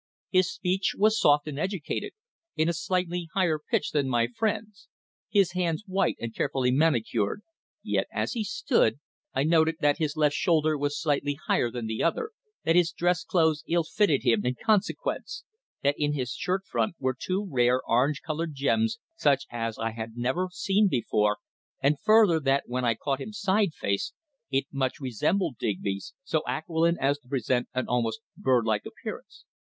His speech was soft and educated, in a slightly higher pitch than my friend's; his hands white and carefully manicured, yet, as he stood, I noted that his left shoulder was slightly higher than the other, that his dress clothes ill fitted him in consequence; that in his shirt front were two rare, orange coloured gems such as I had never seen before, and, further, that when I caught him side face, it much resembled Digby's, so aquiline as to present an almost birdlike appearance.